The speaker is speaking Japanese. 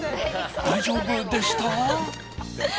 大丈夫でした？